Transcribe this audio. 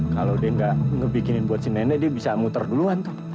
kalau dia nggak ngebikinin buat si nenek dia bisa muter duluan tuh